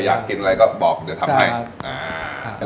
อยากกินอะไรก็บอกเดี๋ยวทำให้อ่า